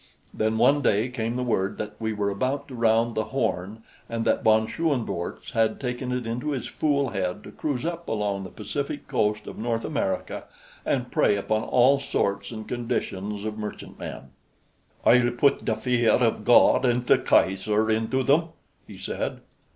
Then one day came the word that we were about to round the Horn and that von Schoenvorts had taken it into his fool head to cruise up along the Pacific coast of North America and prey upon all sorts and conditions of merchantmen. "I'll put the fear of God and the Kaiser into them," he said.